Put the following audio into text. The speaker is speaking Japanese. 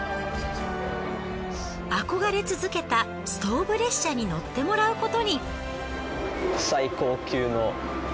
憧れ続けたストーブ列車に乗ってもらうことに。